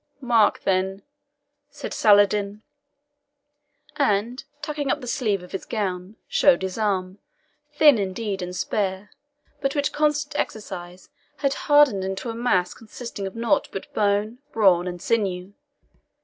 "Mark, then," said Saladin; and tucking up the sleeve of his gown, showed his arm, thin indeed and spare, but which constant exercise had hardened into a mass consisting of nought but bone, brawn, and sinew.